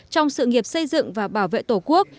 trong sự nghiệp xây dựng và bảo vệ tổ quốc